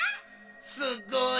すっごい！